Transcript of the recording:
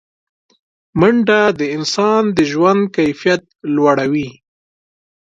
منډه د انسان د ژوند کیفیت لوړوي